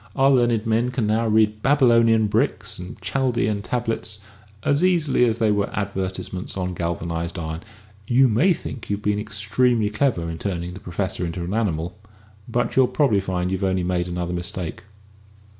Our learned men can now read Babylonian bricks and Chaldean tablets as easily as if they were advertisements on galvanised iron. You may think you've been extremely clever in turning the Professor into an animal, but you'll probably find you've only made another mistake."